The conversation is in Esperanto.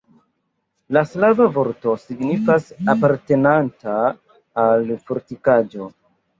La slava vorto signifas: apartenanta al fortikaĵo.